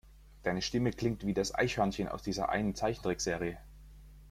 Deine Stimme klingt wie das Eichhörnchen aus dieser einen Zeichentrickserie.